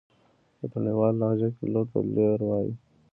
په تڼيواله لهجه کې لور ته لير وايي.